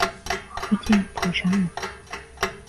福建浦城人。